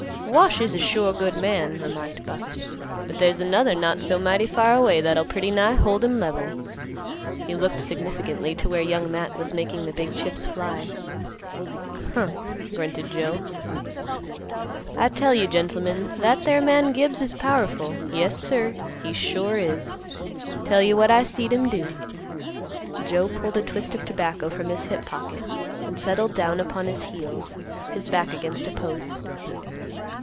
"Wash is a sure good man," remarked Buck, "but there's another not so mighty far away that'll pretty nigh hold, him level." He looked significantly to where Young Matt was making the big chips fly. "Huh," grunted Joe. "I tell you, gentlemen, that there man, Gibbs, is powerful; yes, sir, he sure is. Tell you what I seed him do." Joe pulled a twist of tobacco from his hip pocket, and settled down upon his heels, his back against a post.